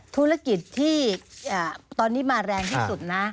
ธุรกิจที่ตอนนี้มาแรงที่สุดนะ